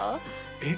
えっ？